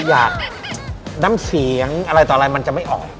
อยากน้ำเสียงอะไรต่ออะไรมันจะไม่ออก